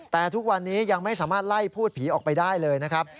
แต่ทุกวันนี้ยังไม่สามารถไล่พูดผีออกไปได้เลยนะครับ